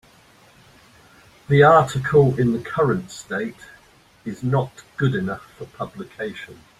The article in the current state is not good enough for publication.